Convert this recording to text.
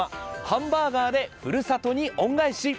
ハンバーガーでふるさとに恩返し。